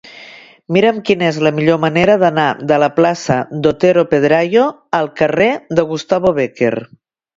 Mira'm quina és la millor manera d'anar de la plaça d'Otero Pedrayo al carrer de Gustavo Bécquer.